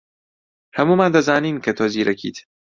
ھەموومان دەزانین کە تۆ زیرەکیت.